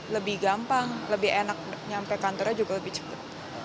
lebih gampang lebih enak nyampe kantornya juga lebih cepat